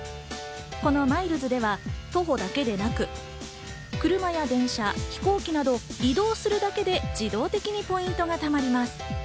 このＭｉｌｅｓでは徒歩だけでなく車や電車、飛行機など移動するだけで自動的にポイントが貯まります。